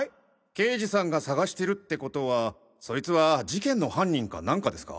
刑事さんが捜してるってことはそいつは事件の犯人かなんかですか？